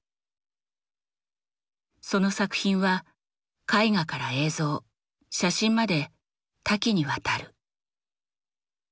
その作品は絵画から映像写真まで多岐にわたる。